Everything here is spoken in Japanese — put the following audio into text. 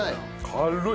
軽い。